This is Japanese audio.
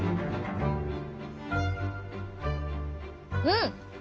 うん！